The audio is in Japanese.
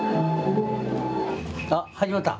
あっ始まった。